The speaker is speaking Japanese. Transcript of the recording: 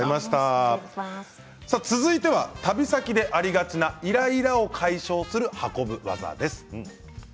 続いては旅先でありがちなイライラを解消する運ぶ技です。